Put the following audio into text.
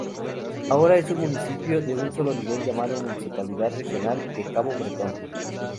Ahora es un municipio de un solo nivel llamado Municipalidad Regional de Cabo Bretón.